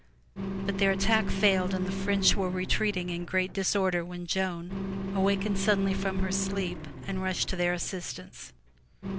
But their attack failed and the French were retreating in great disorder when Joan awakened suddenly from her sleep and rushed up to their assistance.